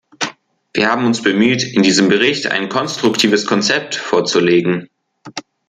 Wir haben uns bemüht, in diesem Bericht ein konstruktives Konzept vorzulegen.